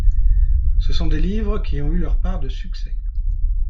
Ce sont des livres qui ont eu leur part de succès.